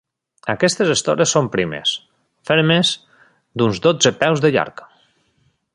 Aquestes estores són primes, fermes, d'uns dotze peus de llarg.